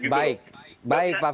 baik pak fikar